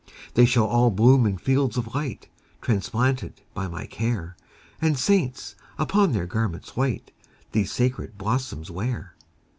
They shall all bloom in fields of light, Transplanted by my care, And saints, upon their garments white, These sacred blossoms wear.